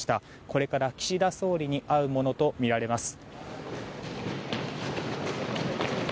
これから岸田総理に会うものとみられます。